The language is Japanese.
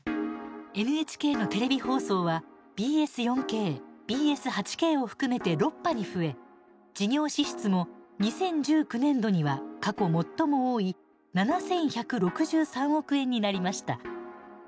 ＮＨＫのテレビ放送はＢＳ４Ｋ、ＢＳ８Ｋを含めて６波に増え事業支出も２０１９年度には過去最も多い７１６３億円になりました。